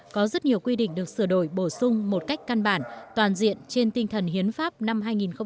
có rất nhiều quy định được sửa đổi bổ sung một cách căn bản toàn diện trên tinh thần hiến pháp năm hai nghìn một mươi ba